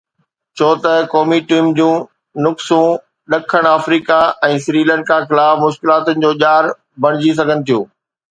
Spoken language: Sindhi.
ڇو ته قومي ٽيم جون نقصون ڏکڻ آفريڪا ۽ سريلنڪا خلاف مشڪلاتن جو ڄار بڻجي سگهن ٿيون.